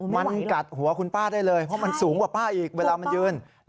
มันกัดหัวคุณป้าได้เลยเพราะมันสูงกว่าป้าอีกเวลามันยืน